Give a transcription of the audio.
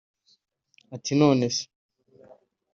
Ati “Nonese